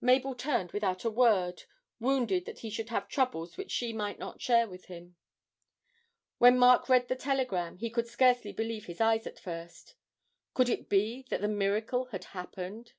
Mabel turned without a word, wounded that he should have troubles which she might not share with him. When Mark read the telegram he could scarcely believe his eyes at first. Could it really be that the miracle had happened?